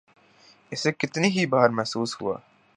اسے کتنی ہی بار محسوس ہوا۔